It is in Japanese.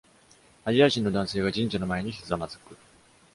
アジア人の男性が神社の前にひざまずく